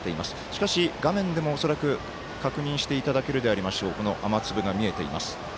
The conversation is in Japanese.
しかし、画面でも恐らく確認していただけるでありましょうこの雨粒が見えています。